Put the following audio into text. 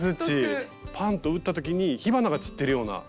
パンと打った時に火花が散ってるような。